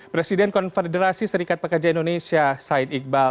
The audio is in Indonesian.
presiden konfederasi serikat pekerja indonesia said iqbal